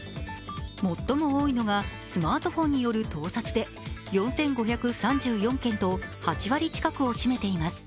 最も多いのがスマートフォンによる盗撮で４５３４件と８割近くを占めています。